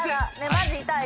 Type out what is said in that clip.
マジ痛い。